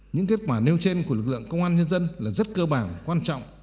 những kết quả nêu trên của lực lượng công an nhân dân là rất cơ bản quan trọng